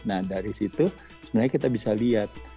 nah dari situ sebenarnya kita bisa lihat